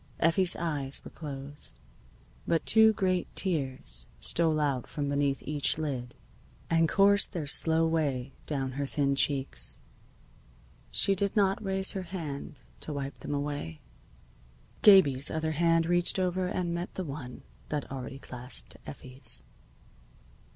Effie's eyes were closed. But two great tears stole out from beneath each lid and coursed their slow way down her thin cheeks. She did not raise her hand to wipe them away. Gabie's other hand reached over and met the one that already clasped Effie's.